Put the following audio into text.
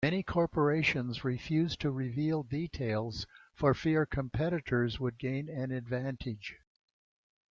Many corporations refused to reveal details for fear competitors would gain an advantage.